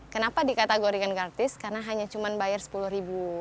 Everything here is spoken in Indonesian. kenapa dikategorikan gratis karena hanya cuma bayar rp sepuluh